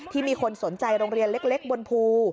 มีคนสนใจโรงเรียนเล็กบนภู